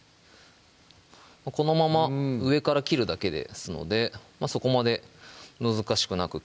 このまま上から切るだけですのでそこまで難しくなく